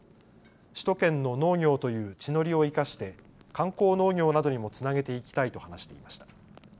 首都圏の農業という地の利を生かして観光農業などにもつなげていきたいと話していました。